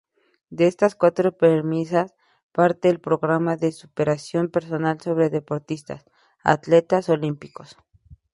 De estás cuatro premisas parte el programa de superación personal sobre deportistas, atletas olímpicos.